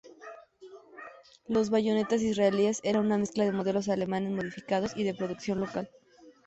Las bayonetas israelíes eran una mezcla de modelos alemanes modificados y de producción local.